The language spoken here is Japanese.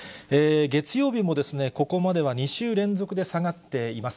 月曜日もここまでは２週連続で下がっています。